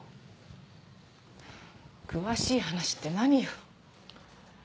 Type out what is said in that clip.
詳しい話って何よ？